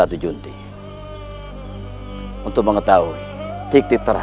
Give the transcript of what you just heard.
aku utilise lolos ruang agama diri saya